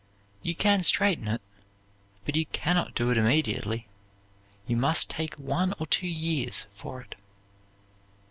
You can straighten it, but you can not do it immediately; you must take one or two years for it."